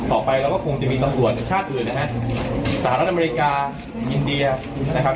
ต่อไปเราก็คงจะมีตำรวจชาติอื่นนะฮะสหรัฐอเมริกาอินเดียนะครับ